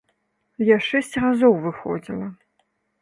Я шэсць разоў выходзіла.